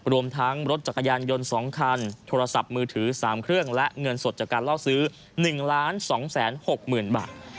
รวมทั้งรถจักรยานยนต์๒คันโทรศัพท์มือถือ๓เครื่องและเงินสดจากการล่อซื้อ๑๒๖๐๐๐บาท